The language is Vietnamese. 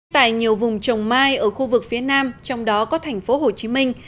tại nhiều vùng trồng mai ở khu vực phía nam trong đó có thành phố hồ chí minh